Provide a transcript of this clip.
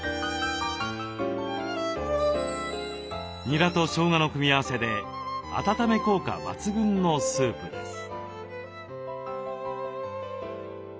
にらとしょうがの組み合わせで温め効果抜群のスープです。